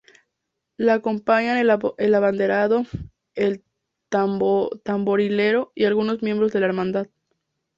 Le acompañan el abanderado, el tamborilero y algunos miembros de la hermandad.